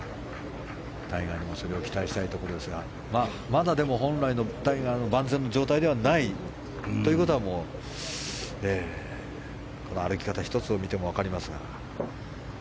タイガーにもそれを期待したいところですがまだ本来のタイガーの万全の状態ではないということは歩き方１つを見ても分かりますが。